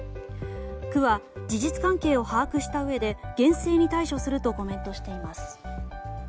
区は事実関係を把握したうえで厳正に対処するとコメントしています。